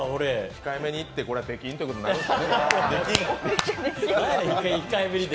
控えめにいって、これは出禁ってことになりますね。